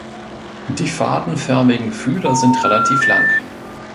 Die fadenförmigen Fühler sind relativ lang.